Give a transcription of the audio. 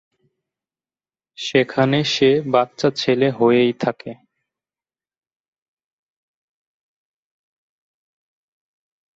সেখানে সে বাচ্চা ছেলে হয়েই থাকে।